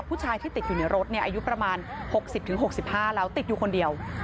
ผู้ชายที่ติดอยู่ในรถอายุประมาณ๖๐๖๕แล้วติดอยู่คนเดียว